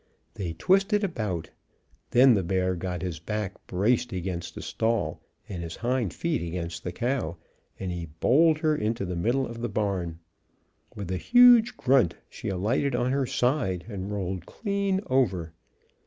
They twisted about. Then the bear got his back braced against a stall and his hind feet against the cow, and he bowled her into the middle of the barn. With a huge grunt she alighted on her side and rolled clean over.